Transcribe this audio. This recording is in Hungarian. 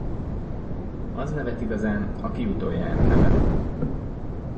Az nevet igazán, aki utoljára nevet.